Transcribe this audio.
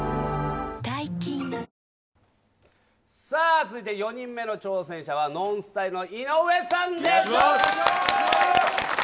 続いて４人目の挑戦者はＮＯＮＳＴＹＬＥの井上さんです。